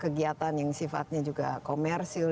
kegiatan yang sifatnya juga komersil